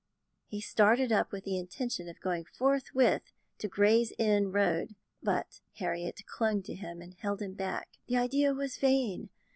He started up with the intention of going forthwith to Gray's Inn Road, but Harriet clung to him and held him back. The idea was vain.